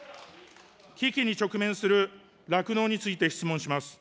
危機に直面する酪農について質問します。